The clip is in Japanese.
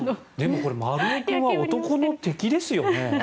でもこれマルオ君は男の敵ですよね。